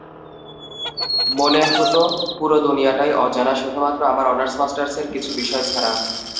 মনে হতো পুরো দুনিয়াটাই অজানা শুধুমাত্র আমার অনার্স-মাস্টার্সের কিছু বিষয় ছাড়া।